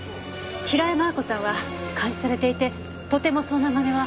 平山亜矢子さんは監視されていてとてもそんなまねは。